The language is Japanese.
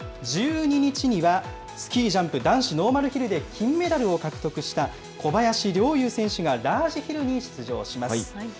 １２日にはスキージャンプ男子ノーマルヒルで金メダルを獲得した小林陵侑選手がラージヒルに出場します。